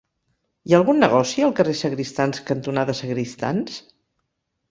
Hi ha algun negoci al carrer Sagristans cantonada Sagristans?